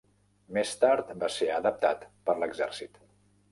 Més tard va ser adaptat per l'exèrcit.